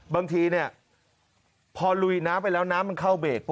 บางทีพอลุยน้ำไปแล้วน้ำเข้าเบรก